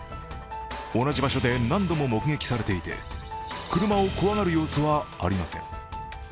同じ場所で何度も目撃されていて車を怖がる様子はありません。